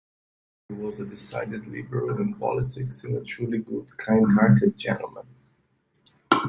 He was a decided Liberal in politics, and a truly good, kind-hearted gentleman.